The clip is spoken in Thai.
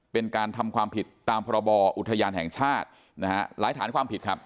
เป็นการทำความผิดตามพรบอุทยานแห่งชาตินะฮะหลายฐานความผิดครับ